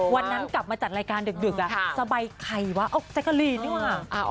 วันนั้นกลับมาจัดรายการดึกสบายใครวะออกแจ๊กกะลีนดีกว่า